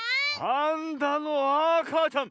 パンダのあかちゃん。